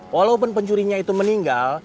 walaupun pencurinya itu meninggal